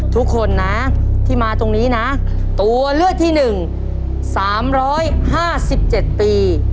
ทุกคนนะที่มาตรงนี้นะตัวเลือกที่๑๓๕๗ปี